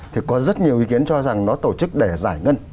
thì có rất nhiều ý kiến cho rằng nó tổ chức để giải ngân